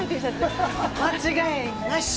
間違いなし！